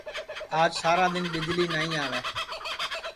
آج سارا دؔن ٻِجݪی نائی آوے